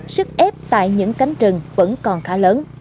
sức ép tại những cánh rừng vẫn còn khá lớn